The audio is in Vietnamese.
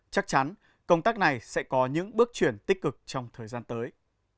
chắc chắn công tác này sẽ có những bước chuyển tích cực trong thời gian tới